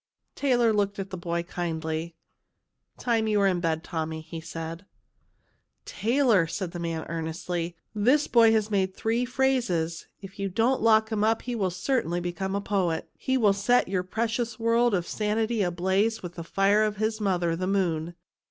Taylor looked at the boy kindly. " Time you were in bed, Tommy," he said. 166 CHILDREN OF THE MOON "Taylor," said the man earnestly, "this boy has made three phrases. " If you don't lock him up he will certainly become a poet. He will set your precious world of sanity ablaze with the fire of his mother, the moon.